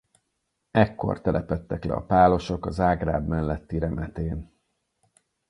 Ekkor telepedtek le a pálosok a Zágráb melletti Remetén.